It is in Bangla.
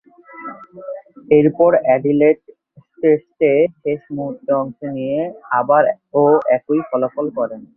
এরপর, অ্যাডিলেড টেস্টে শেষ মুহূর্তে অংশ নিয়ে আবারও একই ফলাফল করেন।